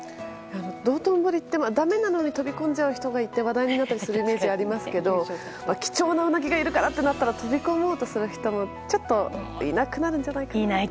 道頓堀って、だめなのに飛び込んじゃう人がいて話題になったりするイメージがありますけど貴重なウナギがいるってなったら飛び込もうとする人も、ちょっといなくなるんじゃないかなと。